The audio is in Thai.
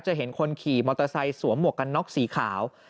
จะเห็นคนขี่มอเตอร์ไซค์สวมหมวกกันน็อกสีขาว